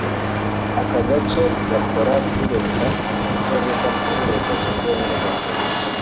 Aka gace gakora kuri leta ya Florida muri leta zunze ubumwe z’ Amerika